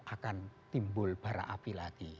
akan timbul bara api lagi